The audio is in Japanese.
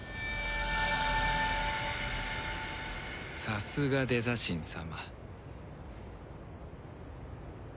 さすがデザ神様。